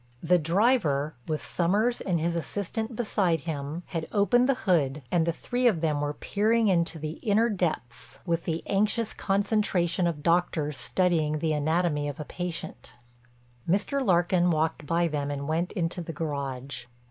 The driver, with Sommers and his assistant beside him, had opened the hood and the three of them were peering into the inner depths with the anxious concentration of doctors studying the anatomy of a patient. Mr. Larkin walked by them and went into the garage.